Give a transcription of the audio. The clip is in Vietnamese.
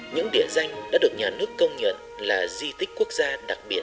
những địa danh đã được nhà nước công nhận là di tích quốc gia đặc biệt